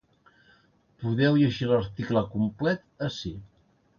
Podeu llegir l’article complet ací.